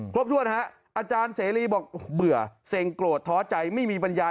ครบถ้วนฮะอาจารย์เสรีบอกเบื่อเซ็งโกรธท้อใจไม่มีปัญญา